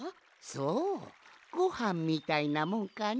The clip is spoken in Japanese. そうごはんみたいなもんかの。